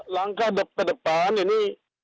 langkah ke depan ini